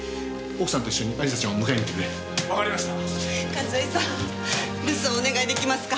和江さん留守をお願い出来ますか？